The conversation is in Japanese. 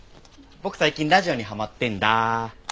僕最近ラジオにハマってんだ。